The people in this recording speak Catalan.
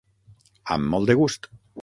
Amb molt de gust!